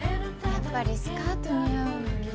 やっぱりスカート似合うよね。